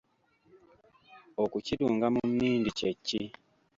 Okukirunga mu mmindi kye ki?